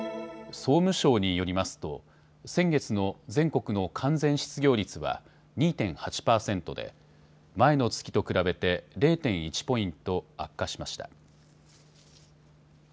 総務省によりますと先月の全国の完全失業率は２．８％で前の月と比べて０．１ポイント悪化しました。